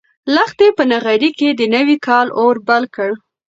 لښتې په نغري کې د نوي کال اور بل کړ.